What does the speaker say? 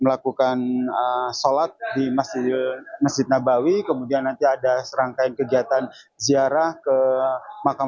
melakukan sholat di masjid masjid nabawi kemudian nanti ada serangkaian kegiatan ziarah ke makam